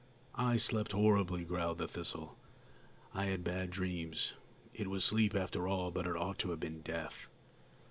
"I slept horribly," growled the thistle. "I had bad dreams. It was sleep, after all, but it ought to have been death."